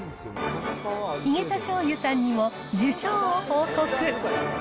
ヒゲタしょうゆさんにも受賞を報告。